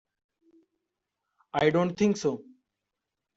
I don't think so.